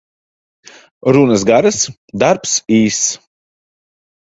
Runas garas, darbs īss.